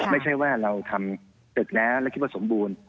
ไม่ใช่ว่าเราทำตึกแล้วแล้วคิดว่าสมบูรณ์